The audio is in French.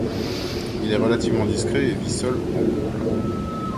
Il est relativement discret et vit seul ou en couple.